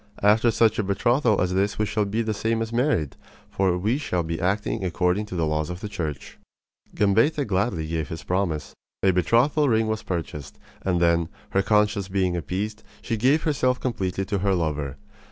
After such a betrothal as this we shall be the same as married; for we shall be acting according to the laws of the Church." Gambetta gladly gave his promise. A betrothal ring was purchased; and then, her conscience being appeased, she gave herself completely to her lover.